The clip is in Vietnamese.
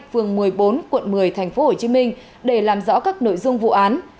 phường một mươi bốn quận một mươi tp hcm để làm rõ các nội dung vụ án